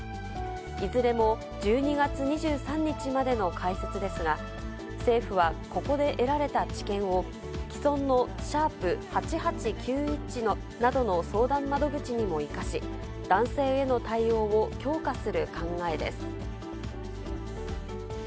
いずれも１２月２３日までの開設ですが、政府はここで得られた知見を、既存の＃８８９１などの相談窓口にも生かし、男性への対応を強化する考えです。